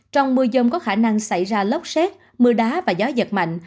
trong mưa dông có khả năng xảy ra lốc xét mưa đá và gió giật mạnh